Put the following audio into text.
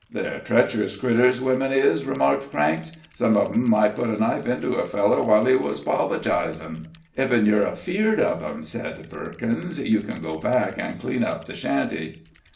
"They're treacherous critters, women is," remarked Cranks; "some of 'em might put a knife into a feller while he was 'pologizin'." "Ef you're afeard of 'em," said Perkins, "you ken go back an' clean up the shanty."